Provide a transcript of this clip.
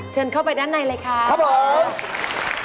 เชิญเข้าไปด้านในเลยครับครับผม